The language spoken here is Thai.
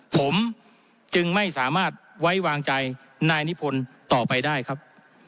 ผมจึงไม่สามารถไว้วางใจนายนิพนธ์ต่อไปได้ครับ